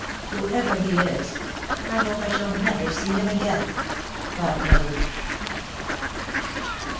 " Whoever he is, I hope I shall never see him again," thought Mildred.